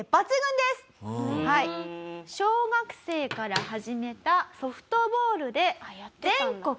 小学生から始めたソフトボールで。